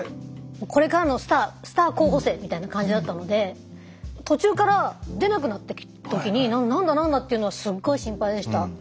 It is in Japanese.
これからのスター候補生みたいな感じだったので途中から出なくなってきた時に何だ何だっていうのはすっごい心配でした。